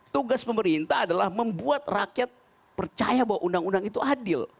tugas pemerintah adalah membuat rakyat percaya bahwa undang undang itu adil